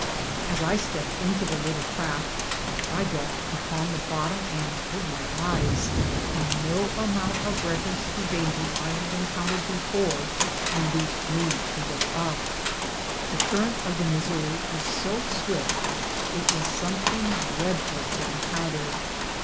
As I stepped into the little craft, I dropped upon the bottom and hid my eyes, and no amount of reference to dangers I had encountered be fore induced me to look up. The current of the Mis souri is so swift it is something dreadful to encounter.